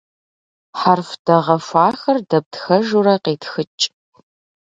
Хьэрф дэгъэхуахэр дэптхэжурэ къитхыкӏ.